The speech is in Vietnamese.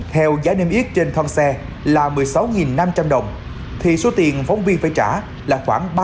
theo giá niêm yết trên thong xe là một mươi sáu năm trăm linh đồng thì số tiền phóng viên phải trả là khoảng